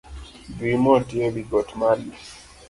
Dhi moti e wigot mali.